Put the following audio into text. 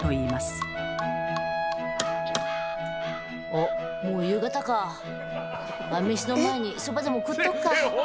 おっもう夕方か晩飯の前にそばでも食っとくか！